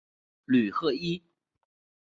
吕赫伊。